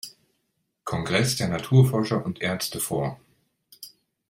Kongress der Naturforscher und Ärzte vor.